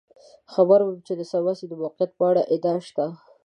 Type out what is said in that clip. خبر وم چې د څمڅې د موقعیت په اړه ادعا شته.